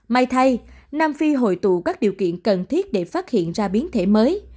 may thay nam phi hội tụ các điều kiện cần thiết để phát hiện ra biến thể mới